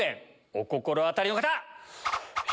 お心当たりの方！